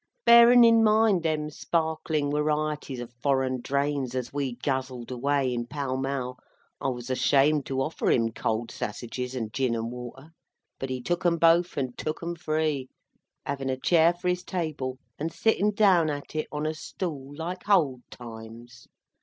Bearin in mind them sparklin warieties of foreign drains as we'd guzzled away at in Pall Mall, I was ashamed to offer him cold sassages and gin and water; but he took 'em both and took 'em free; havin a chair for his table, and sittin down at it on a stool, like hold times.